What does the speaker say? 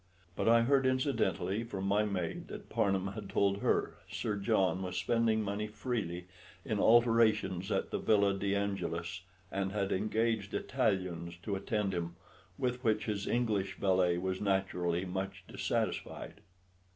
But I heard incidentally from my maid that Parnham had told her Sir John was spending money freely in alterations at the Villa de Angelis, and had engaged Italians to attend him, with which his English valet was naturally much dissatisfied.